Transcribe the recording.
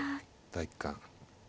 第一感。